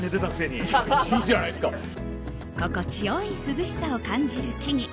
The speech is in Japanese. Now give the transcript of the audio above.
心地よい涼しさを感じる木々。